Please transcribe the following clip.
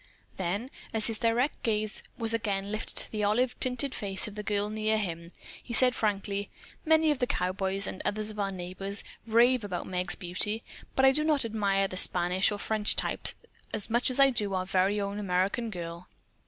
Then, as his direct gaze was again lifted to the olive tinted face of the girl near him, he said frankly: "Many of the cowboys and others of our neighbors rave about Meg's beauty. But I do not admire the Spanish or French type as much as I do our very own American girl."